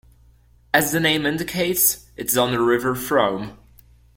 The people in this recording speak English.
As the name indicates, it is on the River Frome.